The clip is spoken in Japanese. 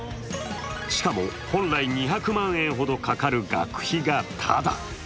しかも、本来２００万円ほどかかる学費がタダ。